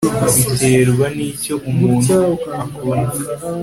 biterwa nicyo umuntu akunda